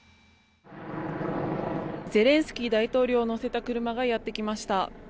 ゼレンスキー大統領を乗せた車がやってきました。